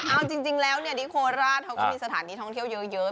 เอาจริงแล้วที่โคราชเขาก็มีสถานที่ท่องเที่ยวเยอะ